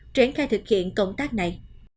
triển khai thực hiện công tác này